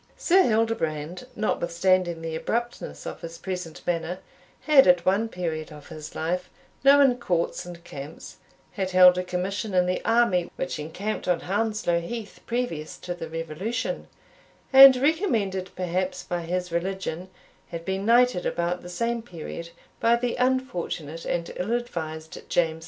Sir Hildebrand, notwithstanding the abruptness of his present manner, had, at one period of his life, known courts and camps; had held a commission in the army which encamped on Hounslow Heath previous to the Revolution and, recommended perhaps by his religion, had been knighted about the same period by the unfortunate and ill advised James II.